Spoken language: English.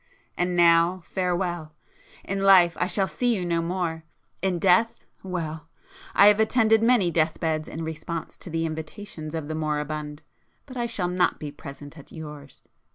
And now farewell! In life I shall see you no more:—in death,—well! I have attended many death beds in response to the invitations of the moribund,—but I shall not be present at yours!